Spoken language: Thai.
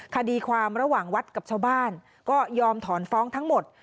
คดีความระหว่างวัดกับชาวบ้านก็ยอมถอนฟ้องทั้งหมด